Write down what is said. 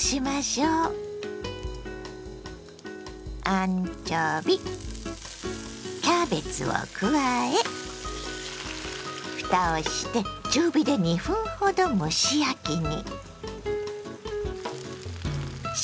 アンチョビキャベツを加えふたをして中火で２分ほど蒸し焼きに。